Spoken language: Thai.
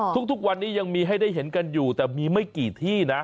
ทุกวันนี้ยังมีให้ได้เห็นกันอยู่แต่มีไม่กี่ที่นะ